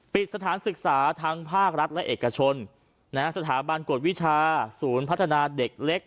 สถานศึกษาทั้งภาครัฐและเอกชนสถาบันกวดวิชาศูนย์พัฒนาเด็กเล็ก